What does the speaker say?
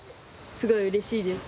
すごいうれしいです。